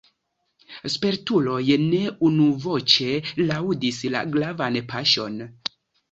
Spertuloj ne unuvoĉe laŭdis la gravan paŝon.